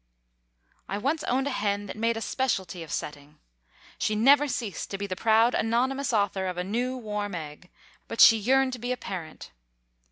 I once owned a hen that made a specialty of setting. She never ceased to be the proud anonymous author of a new, warm egg, but she yearned to be a parent.